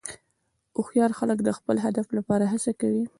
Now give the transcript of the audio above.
هوښیار خلک د خپل هدف لپاره هڅه کوي.